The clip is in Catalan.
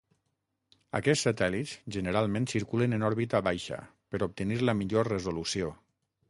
Aquests satèl·lits generalment circulen en òrbita baixa per obtenir la millor resolució.